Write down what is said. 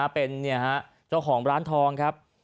เป็นเจ้าของร้านทองครับ